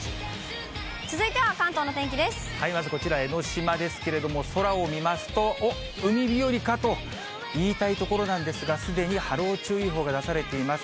まずこちら、江の島ですけれども、空を見ますと、海日和かと言いたいところなんですが、すでに波浪注意報が出されています。